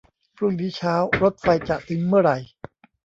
พรุ่งนี้เช้ารถไฟจะถึงเมื่อไหร่